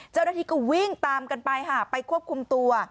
เจ้าหน้าที่ก็วิ่งตามกันไปค่ะไปควบคุมตัว